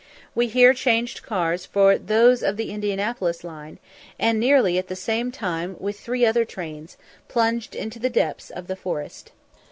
We here changed cars for those of the Indianapolis line, and, nearly at the same time with three other trains, plunged into the depths of the forest.